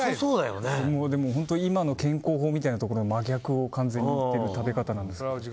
今の健康法みたいなところの真逆を完全にいってる食べ方なんですけど。